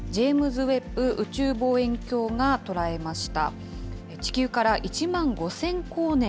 ジェームズ・ウェッブ宇宙望遠鏡が捉えました。